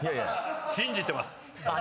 信じてます。